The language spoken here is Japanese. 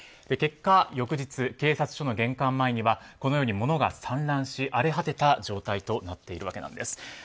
結果、翌日警察署の玄関前にはこのように物が散乱し荒れ果てた状態となっているわけです。